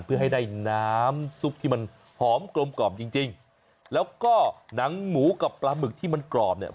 เพื่อให้ได้น้ำซุปที่มันหอมกลมกล่อมจริงจริงแล้วก็หนังหมูกับปลาหมึกที่มันกรอบเนี่ย